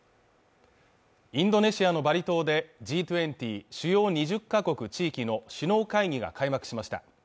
インドネシアのバリ島でＧ２０＝主要２０か国・地域の首脳会議が開幕しました